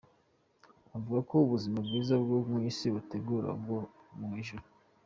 Avuga ko ubuzima bwiza bwo mu Isi butegura ubwo mu ijuru.